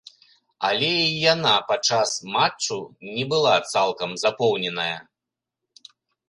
Але і яна падчас матчу не была цалкам запоўненая.